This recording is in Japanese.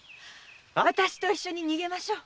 私と一緒に逃げましょう。